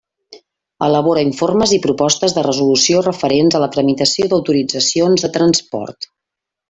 Elabora informes i propostes de resolució referents a la tramitació d'autoritzacions de transport.